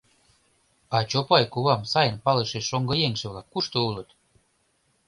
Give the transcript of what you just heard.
А Чопай кувам сайын палыше шоҥгыеҥже-влак кушто улыт?